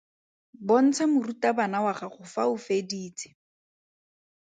Bontsha morutabana wa gago fa o feditse.